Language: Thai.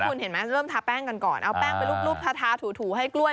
คุณเห็นไหมเริ่มทาแป้งกันก่อนเอาแป้งไปรูปทาถูให้กล้วย